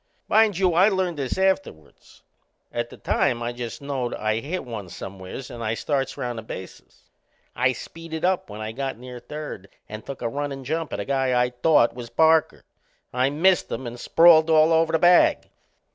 Mind you, I learned this afterward. At the time I just knowed I'd hit one somewheres and I starts round the bases. I speeded up when I got near third and took a runnin' jump at a guy I thought was Parker. I missed him and sprawled all over the bag.